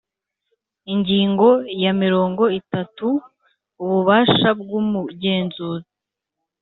Ingingo ya mirongo itatu Ububasha bw Umugenzuzi